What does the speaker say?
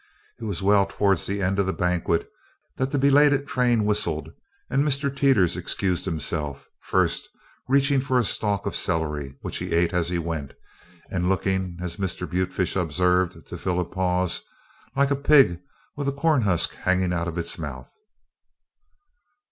It was well towards the end of the banquet that the belated train whistled and Mr. Teeters excused himself first reaching for a stalk of celery which he ate as he went, and looking, as Mr. Butefish observed to fill a pause, "like a pig with a corn husk hanging out of its mouth."